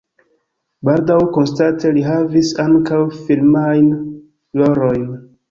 Baldaŭ konstante li havis ankaŭ filmajn rolojn.